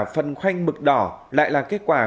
phần khoanh mực đỏ lại là kết quả